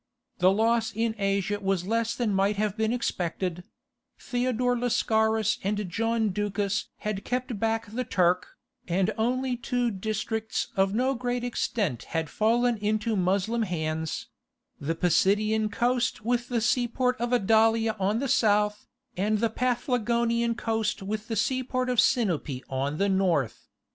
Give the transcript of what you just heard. The loss in Asia was less than might have been expected: Theodore Lascaris and John Ducas had kept back the Turk, and only two districts of no great extent had fallen into Moslem hands—the Pisidian coast with the seaport of Adalia on the south, and the Paphlagonian coast with the seaport of Sinope on the north.